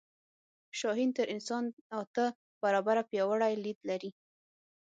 شاهین تر انسان اته برابره پیاوړی لید لري